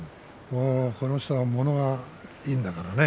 この人はものがいいんだからね。